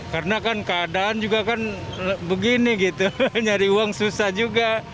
karena kan keadaan juga kan begini gitu nyari uang susah juga